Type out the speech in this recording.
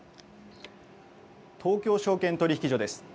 東京証券取引所です。